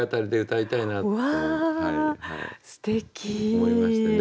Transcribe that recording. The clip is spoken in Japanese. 思いましてね。